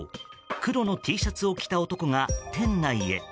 黒のＴシャツを着た男が店内へ。